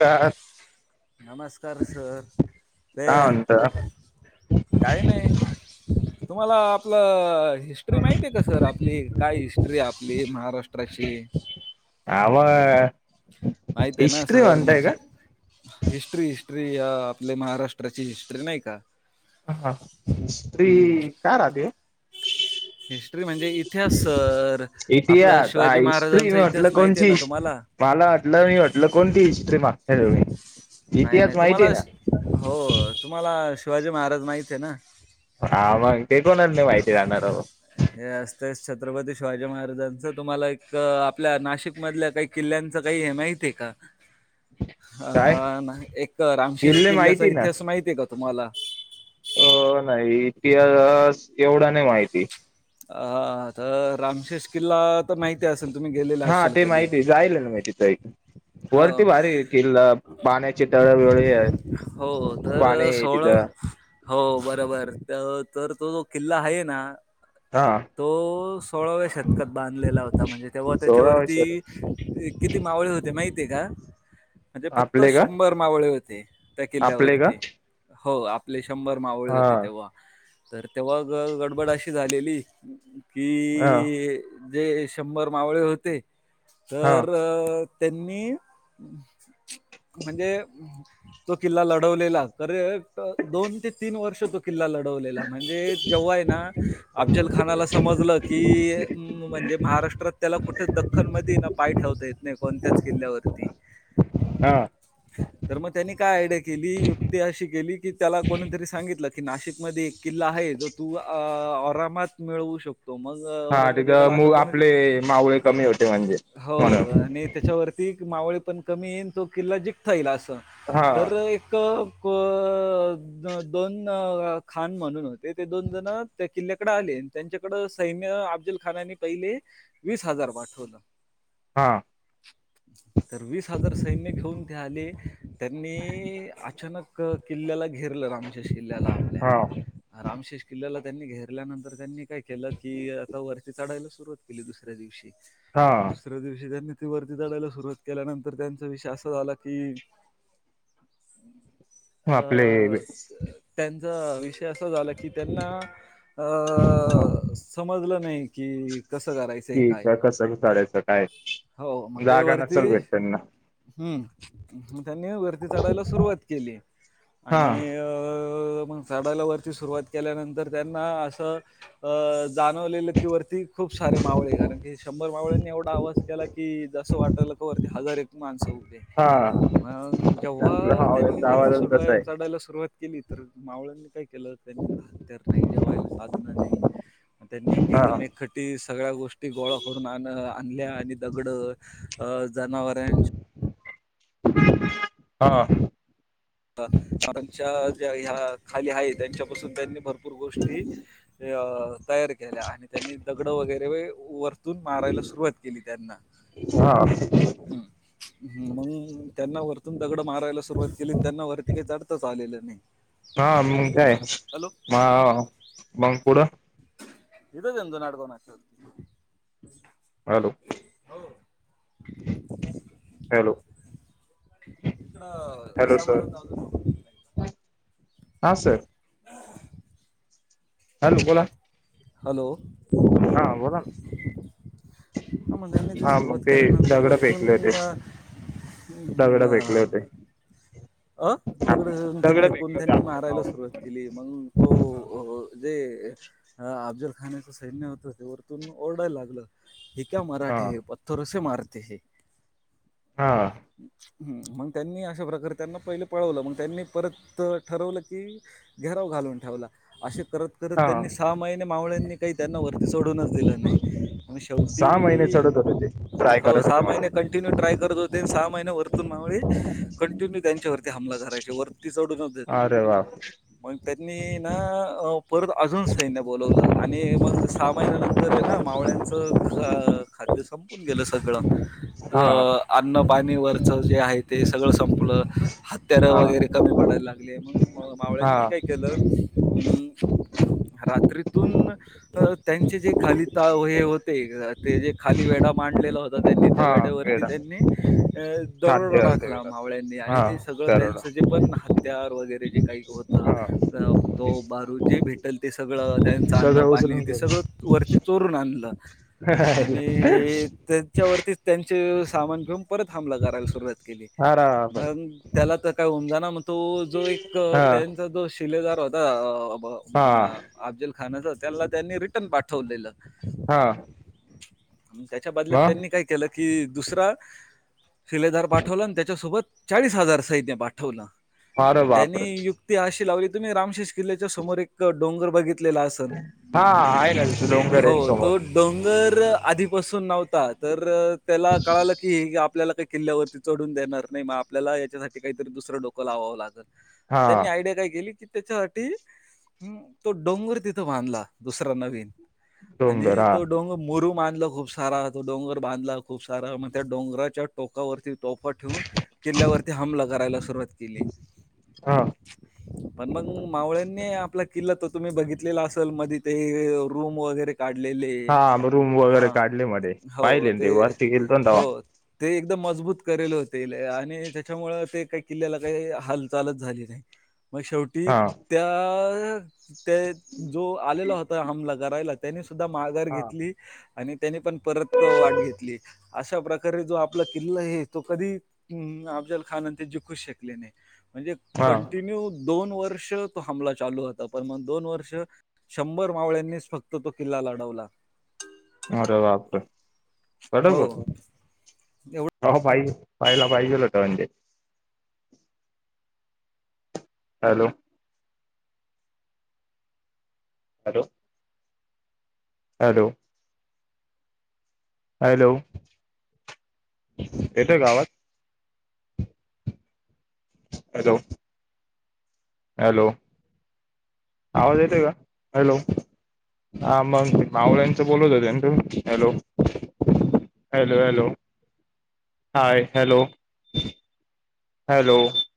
का नमस्कार सर ते काय म्हणत काही नाही तुम्हाला आपलं हिस्ट्री माहिती आहे का सर आपली काय हिस्ट्री आपली महाराष्ट्राची आवा आऐते ना सर म्हज हिस्ट्री हिस्ट्री या आपल्या महाराष्ट्राची हिस्ट्री नाही का ह हा स्त्री हम्म. काय रा [unintelligible] हिस्ट्री म्हणजे इतिहास सर आपला इतिहास हा शिवाजी हिस्ट्री मी महाराजांचा म्हटलं इतिहास माहिती आहे कोणची ना तुम्हाला मला वाटलं मी वाटलं कोणती हिस्ट्री मागच्या जवी नाही नाही तुम्हाला हो तुम्हाला शिवाजी महाराज माहित आहे ना हा मग ते कोणा नाही माहिती राहणार हे असतेच छत्रपती शिवाजी महाराजांचं तुम्हाला एक आपल्या नाशिक मधल्या काही किल्ल्यांचं काही हे माहित आहे का काय हा ना एक रामशेष किल्ले किल्ल्याचा माहिती ना इतिहास माहिती आहे का तुम्हाला अ नाही इतिहास एवढा नाही माहिती अ तर रामशेष किल्ला तर माहिती असेल तुम्ही गेलेला असाल कधी जायलं ना मा तिथं इथ हो पाण्याचे तळ वळे आहे हो तर पाणी आहे सोळा तिथं हो बरोबर तर तो जो किल्ला आहे ना हा तो सोळाव्या शतकात बांधलेला होता म्हणजे तेव्हा सोळा त्याच्यावरती वर्ष किती मावळे होते माहितीय का म्हणजे फक्त आपले का शंभर मावळे होते त्या आपले का किल्ल्यावरती हो आपले शंभर मावळे हा होते तेव्हा तर तेव्हा गडबड अशी झालेली हा कि जे शंभर मावळे होते हा तर मी म्हणजे तो किल्ला लढवलेला खरं दोन ते तीन वर्ष तो किल्ला लढवलेला म्हणजे जेव्हा आहे ना अफजल खानाला समजलं की म्हणजे महाराष्ट्रात त्याला कुठे खण मध्ये ना पाय ठेवता येत नाही कोणत्याच किल्ल्यावरती हा [inaudible] तर मग त्यांनी काय आयडिया केली युक्ती अशी केली की त्याला कोणीतरी सांगितलं की नाशिकमध्ये एक किल्ला आहे जो तू आरामात मिळवू शकतो तोमग हा तिथे मग आपले मावळे कमी होते म्हणजे हो म्हणून आणि त्याच्यावरती मावळे पण कमी येईन तो किल्ला जिकता येईल असं हा तर एक प दोन खान म्हणून होते ते दोन जण त्या किल्ल्याकडे आले त्यांच्याकड सैन्य अफ्जल खानानी पहिले वीस हजार पाठवलं हां तर वीस हजार सैन्य घेऊन ते आले त्यांनी अचानक किल्ल्याला घेरलं रामशेष किल्ल्याला हा आपल्या रामशेष किल्ल्याला त्यांनी घेरल्यानंतर त्यांनी काय केलं की आता वरती चढायला सुरु हो दुसऱ्या दिवशी हा दुसऱ्या दिवशी त्यां वरती चढायला सुरुवात केल्यानंतर त्यांचा विषय असा झाला की हो अ आपले त्यांचा विषय असं झाला की त्यांना अ समजलं नाही की कसं करायचं कि त्या कस काढायचं काय हो मतेे जागा वरती नसल भेट त्यांना हम् त्यांनी वरती चढायला सुरुवात केली हा आणि ह चढाल्या व सुरुवात केल्यानंतर त्यांना असं जाणवले की वरती खूप सारे मावळे कारण की शंभर मावळंनी एवढा आवाज केला की जसं वाटलं वरती हजार एक माणसं उभी आहेत हा म्हण आपलं जेव्हा त्यांनी हचा वरती आवाजच तसा सोडवाय आहे चढायला सुरुवात केली तर मावळांनी काय केलं त्यांच्याकडे हत्यार नाही जेवायला साधनं नाही त्यांनी हा एकदम एकट्ठे सगळ्या गोष्टी गोळा करून आण आणल्या आणि दगडं अ जनावरां हा कारणच्या ज्या ह्या खाली आहे त्यांच्यापासून त्यांनी भरपूर पूर गोष्टी तयार केल्या आणि त्यांनी दगडं वगैरे व तून मारायला सुरुवात केली त्यांना हा मंग त्यांना वर तीतून दगड मारायला सुरुवात केली त्यांना वरती काय चढतांच आलेलं नाही. हा मंग काय हॅलो मा मंग पुढ [inaudible] हॅलो हॅलो तिकडं हॅलो सर समाधान चालवत [unintelligible] तुझी बाईक हा सर हॅलो बोला हॅलो हा बोला ना ह म्हणज त्यांनी ती हा मग सुरुवात ते केल्यानंतर दगड वरतून फेकले होते म दगड म फेकले होते अ दगडून ते दगड फेकून फेकले होते त्यांनी आपल्या मारायला मावशी सुरुवात पण केली मंग तो अ अ जे अफजल खानाचं सैन्य होतं ते वरतून म ओरडायला लागलं. हे क्या हा मराठे पत्थरोसे मारते हे. हा. हम् मंग त्यांनी अशा प्रकारे त्यांना पहिले पळवलं मंग त्यांनी परत ठरवलं की, घेराव घालून ठेवला असे करत तर हा त्यांनी सहा महिने मावळ्यांनी काही त्यांना वरती सोडूनच दिलं नाही. मग सहा महिने शेवटी चढत होते ते ट्राय हो करत सहा होते महिने म्हणजे कंटिन्यू ट्राय करत होते सहा महिने वरतून मावले कं कंटीन्यू त्यांच्यावरती हमला करायचे वरती चडूनच देत अरे नव्हते. वा मग त्यांनी ना परत अजून सैन्य बोलावलं आणि मंग सहा महिन्यानंतर हे ना मावळ्यांचं ख खाद्य संपून गेलं सगळं हा अ अन्न पाणी वरच जे आहे ते सगळं संप आपलं हत्यारं हा वगैरे कमी पडायला लागले मग हा मावळ्यांनी काय केलं. हूं रात्रीतून अ त्यांचे जे खाली ता हे होते ते जे खाली वेढा मांडलेला होत ता त्यांनी त्या हा वेड्यावरती वेडा त्यांनी अ दरोडा खाद्य ते टाकला वेडा मावळ्यांनी आणि हा ते सगळं दरोडा त्यांच जे पण हत्यार वगैरे जे काही होत हा तो बारू जे भेटेल ते सगळं त्याचं अन्न सगळं उचलून पाणी ते गेले सगळं वरती चो रून आणलं आणि त्याच्यावरतीचं त्यांचे सामान घेऊन परत हमला करायला सुरुवात केली. अराबापरे मंग त्याला त काय उमजना म तो जो एक हा त्यांचा दोष शिलेदार होता अ अ ब हा अ अफजल खानाचा त्याला त्यांनी रिटर्न पाठवलेलं हा. आणि त्याच्या बदल्यात मग त्यांनी काय केलं कि दुसरा शिलेदार पाठवला आणि त्याच्यासोबत चाळीस हजार सैन्य पाठवलं अरे म त्यांनी बापरे युक्त ती अशी लावली तुम्ही रामशेष किल्ल्याच्या समोर एक डोंगर बघित तलेला आसन हा आहे ना तिथे डोंगर हो आहे समोर तो डोंगर आधीपासून नव्हता तर त्याला कळालं की आपल्याला काही किल्ल्यावरती चढून देणार नाही म आपल्याला याच्यासाठी काहीतरी दुसरं डोकं लावावं लागल. म त्यांनी हा आयडिया काय केली की त्याच्यासाठी हं तो डोंगर तिथं बांधला दुसरा नवीन डोंगर आणि हा तो डोंग मुरूम आनल खूप सारा तो डोंगर बांधला खूप सारा मग त्या डोंगराच्या टोकावरती तोफा ठेव किल्ल्यावरती हमला करायला सुरुवात केली. हा पण मग मावळ्यांनी आपला किल्ला तो तुम्ही बघितलेला असेल मधी ते रूम वगैरे काढलेले हा म रूम वगैरे हा. काढले मध्ये पाहिले न ते वरती गेलतो ना हो तवा. ते एकदम मजबूत करेल होत ते लय आणि त्याच्यामुळ ते काही किल्ल्याला काय हालचालच झाली नाय म शेवटी हा त्या ते जो आलेला होता हमला करायला त्यांनी सुद्धा माघार हा घेतली आणि त्याने पण परत तो वाट घेतली अशा प्रकारे जो आपला किल्ल आहे तो कधी हम्म अफजल खान आणि ते जिकूचं शकले नाही म्हणजे हा कंटिन्यू दोन वर्ष त हमला चालूता पर म दोन वर्ष शंभर मावळ्यांनीच फक्त तो किल्ला लढवला. अरे बाप रे [inaudible] हो हो पाहिजे पाहायला पाहिजेल होत म्हणजे हॅलो. हॅलो. हॅलो. हॅलो. येतंय आवाज? हॅलो. हॅलो. आवाज येते का? हॅलो. हा म मावळ्यांच बोलत होत तू? Hello. Hello. Hello. Hi hello hello.